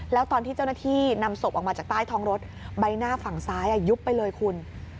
แล้วตอนที่เจ้าหน้าที่นำศพออกมาจากใต้ท้องรถใบหน้าฝั่งซ้ายยุบไปเลยคุณ